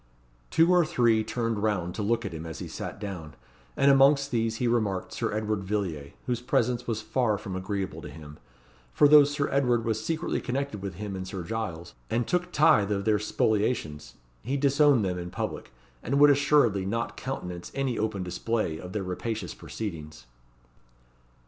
Two or three turned round to look at him as he sat down; and amongst these he remarked Sir Edward Villiers, whose presence was far from agreeable to him, for though Sir Edward was secretly connected with him and Sir Giles, and took tithe of their spoliations, he disowned them in public, and would assuredly not countenance any open display of their rapacious proceedings.